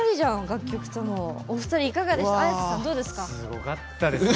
すごかったですね。